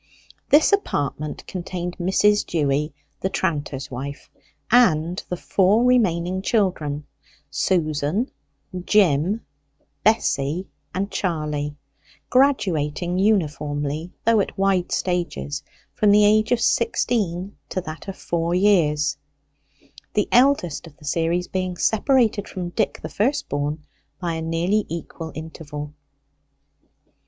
This apartment contained Mrs. Dewy the tranter's wife, and the four remaining children, Susan, Jim, Bessy, and Charley, graduating uniformly though at wide stages from the age of sixteen to that of four years the eldest of the series being separated from Dick the firstborn by a nearly equal interval.